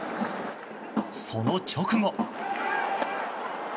その直後。